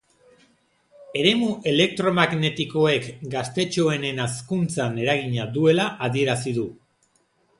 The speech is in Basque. Eremu elektromagnetikoek gaztetxoenen hazkuntzan eragina duela adierazi du.